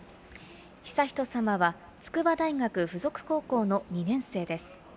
悠仁さまは、筑波大学附属高校の２年生です。